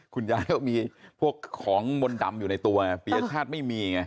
คุณญาเขามีพวกของบนดำอยู่ในตัวปียชาติไม่มี